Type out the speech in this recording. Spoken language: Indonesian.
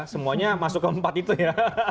semuanya masuk ke empat itu ya